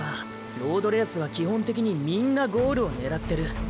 ロードレースは基本的にみんなゴールを狙ってる。